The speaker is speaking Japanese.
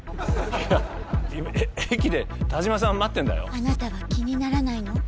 あなたは気にならないの？